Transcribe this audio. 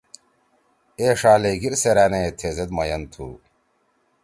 اے ݜا لھیگیر سیرأنے تھیزید مئین تُھو